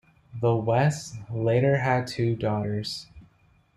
The Wests later had two daughters.